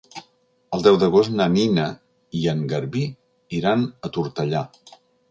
El deu d'agost na Nina i en Garbí iran a Tortellà.